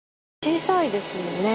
小さいですよね。